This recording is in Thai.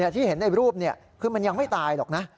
ที่เห็นในรูปคือมันยังไม่ตายหรอกนะ